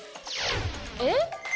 えっ？